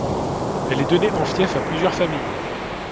Elle est donnée en fief à plusieurs familles.